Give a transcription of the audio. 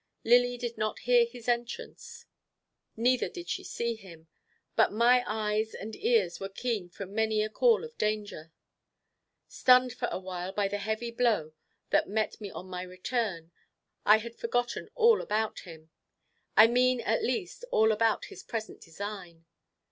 Lily did not hear his entrance, neither did she see him; but my eyes and ears were keen from many a call of danger. Stunned for a while by the heavy blow, that met me on my return, I had forgotten all about him; I mean, at least, all about his present design.